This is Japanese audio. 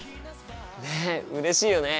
ねっうれしいよね。